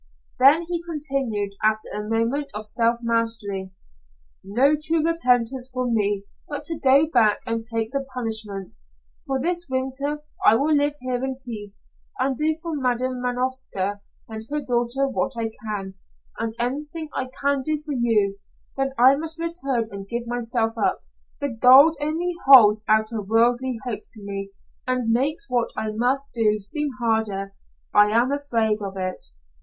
Then he continued, after a moment of self mastery: "No true repentance for me but to go back and take the punishment. For this winter I will live here in peace, and do for Madam Manovska and her daughter what I can, and anything I can do for you, then I must return and give myself up. The gold only holds out a worldly hope to me, and makes what I must do seem harder. I am afraid of it."